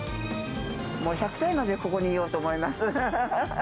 もう１００歳までここにいようと思います。